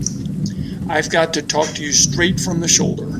I've got to talk to you straight from the shoulder.